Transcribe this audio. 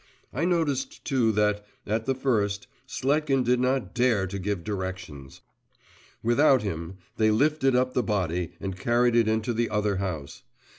I noticed too that, at the first, Sletkin did not dare to give directions. Without him, they lifted up the body and carried it into the other house.